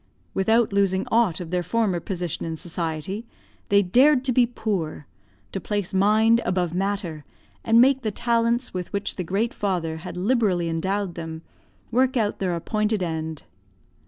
Without losing aught of their former position in society, they dared to be poor; to place mind above matter, and make the talents with which the great Father had liberally endowed them, work out their appointed end.